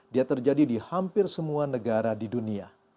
dia terjadi di hampir semua negara di dunia